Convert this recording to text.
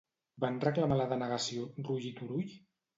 Van reclamar la denegació Rull i Turull?